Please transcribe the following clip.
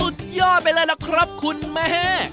สุดยอดไปเลยล่ะครับคุณแม่